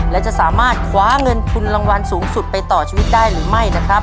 และจะสามารถคว้าเงินทุนรางวัลสูงสุดไปต่อชีวิตได้หรือไม่นะครับ